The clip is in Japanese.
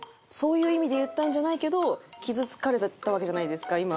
そういう意味で言ったんじゃないけど傷つかれたわけじゃないですか？